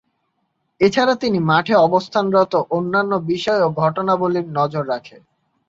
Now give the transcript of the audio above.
এছাড়াও, তিনি মাঠে অবস্থানরত অন্যান্য বিষয় ও ঘটনাবলী নজর রাখেন।